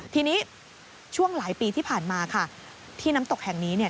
ทีนี้ช่วงหลายปีที่ผ่านมาค่ะที่น้ำตกแห่งนี้เนี่ย